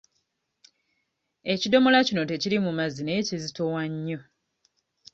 Ekidomola kino tekiriimu mazzi naye kizitowa nnyo.